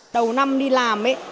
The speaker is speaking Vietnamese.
đầu năm đi làm